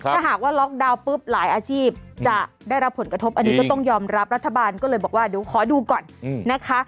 ถ้าหากว่าล็อกดาวน์ปุ๊บหลายอาชีพจะได้รับผลกระทบอันนี้ก็ต้องยอมรับรัฐบาลก็เลยบอกว่าเดี๋ยวขอดูก่อนนะคะ